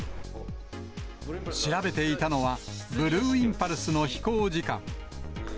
調べていたのは、ブルーインパルスの飛行時間。